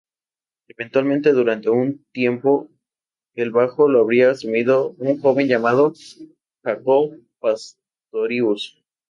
Eventualmente, durante un tiempo, el bajo lo había asumido un joven llamado Jaco Pastorius.